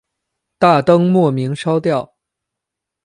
大灯莫名烧掉